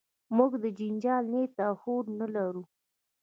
موږ د جنجال نیت او هوډ نه لرو.